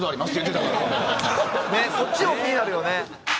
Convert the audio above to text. ねえそっちも気になるよね。